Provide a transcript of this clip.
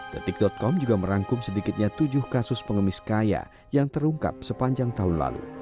detik com juga merangkum sedikitnya tujuh kasus pengemis kaya yang terungkap sepanjang tahun lalu